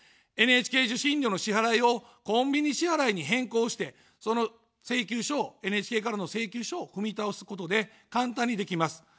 ＮＨＫ受信料の支払いをコンビニ支払いに変更して、その請求書を、ＮＨＫからの請求書を踏み倒すことで簡単にできます。